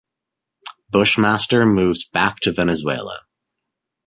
Bushmaster moves back to Venezuela.